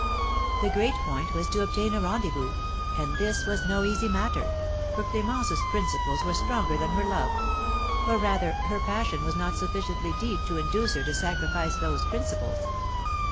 The great point was to obtain a rendezvous, and this was no easy matter, for Clémence's principles were stronger than her love; or, rather, her passion was not sufficiently deep to induce her to sacrifice those principles.